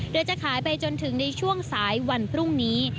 โดยจะขายไปจนถึงในช่วงสายวันพรุ่งนี้